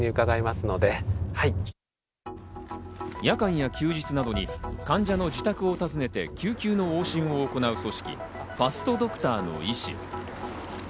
夜間や休日などに患者の自宅を訪ねて救急の往診を行う組織・ファストドクターの医師。